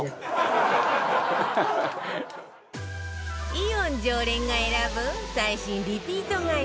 イオン常連が選ぶ最新リピート買い